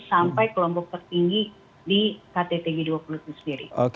sampai kelompok tertinggi di kttg dua puluh itu sendiri